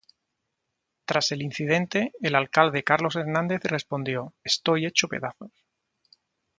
Tras el incidente, el alcalde Carlos Hernández respondió: "Estoy hecho pedazos.